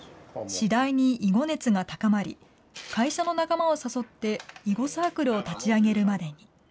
次第に囲碁熱が高まり、会社の仲間を誘って、囲碁サークルを立ち上げるまでに。